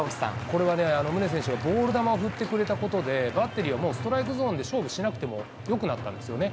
これはね、宗選手がボール球を振ってくれたことで、バッテリーはもうストライクゾーンで勝負しなくてもよくなったんですよね。